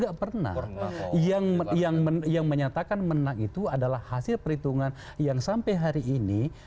tidak pernah yang yang menyatakan menang itu adalah hasil perhitungan yang sampai hari ini